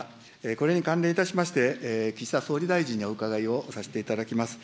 これに関連いたしまして、岸田総理大臣にお伺いをさせていただきます。